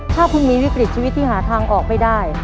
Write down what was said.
ถ้าคุณมีวิกฤตชีวิตที่หาทางออกไม่ได้